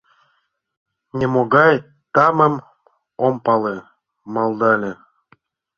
— Нимогай тамым ом пале... — малдале.